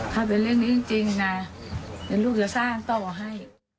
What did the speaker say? ถ้าเป็นเรื่องนี้จริงนะเดี๋ยวลูกจะสร้างต้องเอาให้